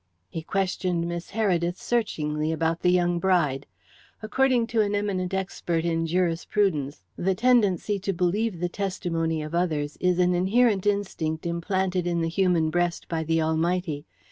He questioned Miss Heredith searchingly about the young bride. According to an eminent expert in jurisprudence, the tendency to believe the testimony of others is an inherent instinct implanted in the human breast by the Almighty.